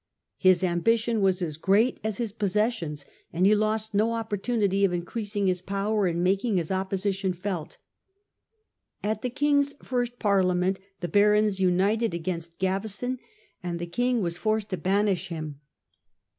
His ambition was as great as his possessions, and he lost no opportunity of increasing his power and making his opposition felt. At the king's first parliament The fall of the barons united against Gaveston, and the Qaveston. j^jjjg was forced to banish him.